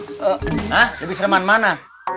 hah lebih sereman mana